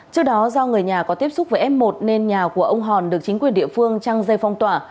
trước đó do người nhà có tiếp xúc với f một nên nhà của ông hòn được chính quyền địa phương trăng dây phong tỏa